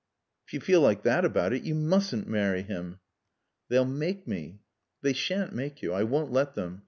"If you feel like that about it you mustn't marry him." "They'll make me." "They shan't make you. I won't let them.